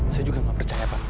saya juga nggak percaya pak